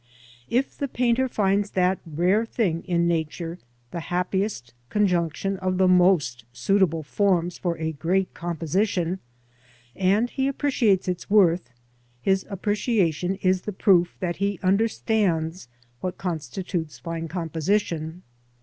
If the painter finds that rare thing in Nature, the happiest conjunction of the most suitable forms for a great composition, and he appreciates its worth, his appreciation is the proof that he understands what constitutes fine composition.